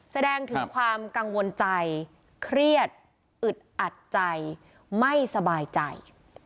แสดงถึงความกังวลใจเครียดอึดอัดใจไม่สบายใจ